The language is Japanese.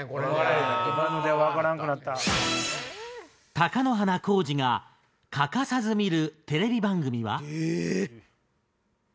貴乃花光司が欠かさず見るテレビ番組は？